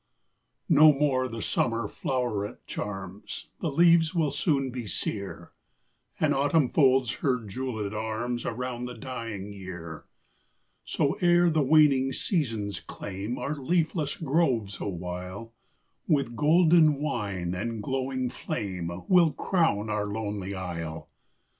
No more the summer floweret charms, The leaves will soon be sere, And Autumn folds his jewelled arms Around the dying year; So, ere the waning seasons claim Our leafless groves awhile, With golden wine and glowing flame We 'll crown our lonely isle.